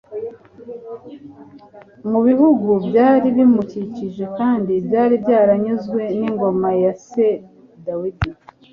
mu bihugu byari bimukikije kandi byari byaranyuzwe n'ingoma ya se dawidi